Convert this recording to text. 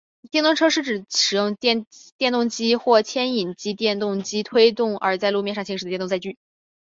电动车是指使用电动机或牵引电动机推动而在路面上行驶的电动载具。